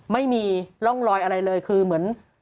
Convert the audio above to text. ไม่มีร่องรอยอะไรเลยคือเหมือน